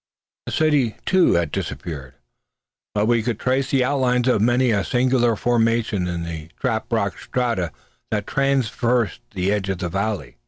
The city, too, had disappeared; but we could trace the outlines of many a singular formation in the trap rock strata that traversed the edge of the valley.